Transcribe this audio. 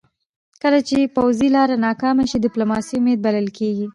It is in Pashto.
کله چې پوځي لاره ناکامه سي، ډيپلوماسي امید بلل کېږي .